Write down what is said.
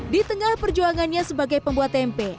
di tengah perjuangannya sebagai pembuat tempe